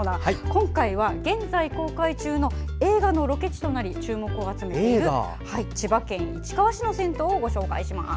今回は現在公開中の映画のロケ地となり注目を集めている千葉県市川市の銭湯をご紹介します。